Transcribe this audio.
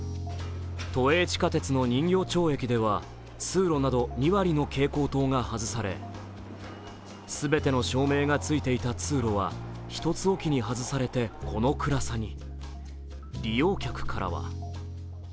都営地下鉄の人形町駅では通路など２割の蛍光灯が外され全ての照明がついていた通路は１つ置きに外されて、この暗さに。